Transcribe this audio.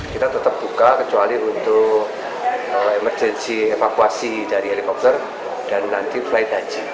kita tetap buka kecuali untuk emergensi evakuasi dari helikopter dan nanti flight haji